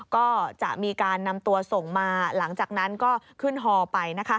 ก็จะมีการนำตัวส่งมาหลังจากนั้นก็ขึ้นฮอไปนะคะ